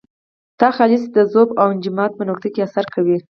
ناخالصې د ذوب او انجماد په نقطې اثر کوي.